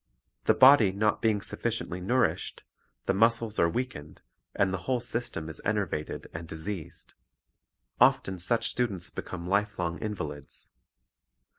The body not being sufficiently nourished, the muscles are weakened, and the whole system is enervated and diseased. Often such students become lifelong invalids.